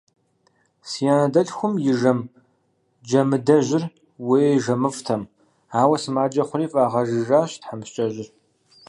Си анэдэлъхум и жэм Джамыдэжьыр уей жэмыфӏтэм, ауэ сымаджэ хъури фӏагъэжыжащ тхьэмыщкӏэжьыр.